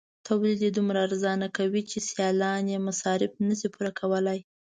تولید یې دومره ارزانه کوي چې سیالان یې مصارف نشي پوره کولای.